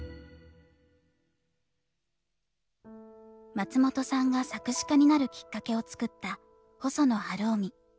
松本さんが作詞家になるきっかけを作った細野晴臣。